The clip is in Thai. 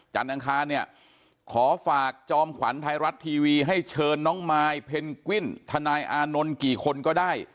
อังคารเนี่ยขอฝากจอมขวัญไทยรัฐทีวีให้เชิญน้องมายเพนกวิ้นทนายอานนท์กี่คนก็ได้